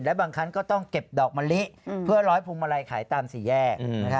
และบางครั้งก็ต้องเก็บดอกมะลิเพื่อร้อยพวงมาลัยขายตามสี่แยก